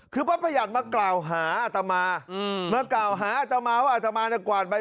คือพระประหยัดมากล่าวหาอาตมามากล่าวหาอาตมาว่าอาตมากวาดไป